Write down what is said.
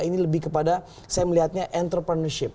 ini lebih kepada saya melihatnya entrepreneurship